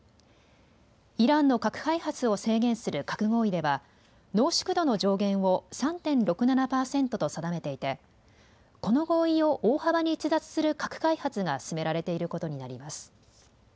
イランの核開発を制限する核合意では濃縮度の上限を３．６７％と定めていてこの合意を大幅に逸脱する核開発が進められていることになります。